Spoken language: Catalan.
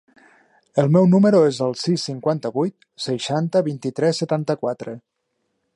El meu número es el sis, cinquanta-vuit, seixanta, vint-i-tres, setanta-quatre.